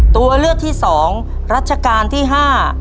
ตัวเลือกที่สองรัชกาลที่ห้า